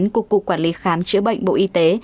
của cục quản lý khám chữa bệnh bộ y tế